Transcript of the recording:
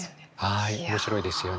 はい面白いですよね。